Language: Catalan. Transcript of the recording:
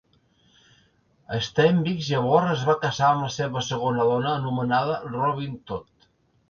Steinberg llavors es va casar amb la seva segona dona anomenada Robyn Todd.